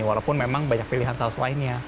walaupun memang banyak pilihan saus lainnya